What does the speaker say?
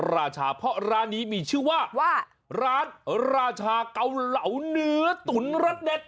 ราชาเพราะร้านนี้มีชื่อว่าร้านราชาเกาเหลาเนื้อตุ๋นรสเด็ด